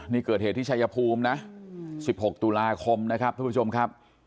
นี่เกิดเหตุที่ชายภูมินะ๑๖ตุลาคมนะครับทุกผู้ชมครับ